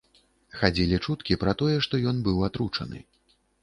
Хадзілі чуткі пра тое, што ён быў атручаны.